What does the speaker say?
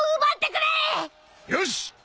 よし！